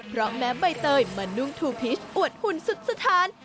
เพราะแม้ใบเตยมานุ่งทูพิษอวดหุ่นสุดสถาน